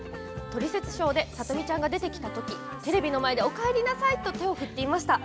「トリセツショー」でさとみちゃんが出てきた時テレビの前でおかえりなさい！と手を振っていました。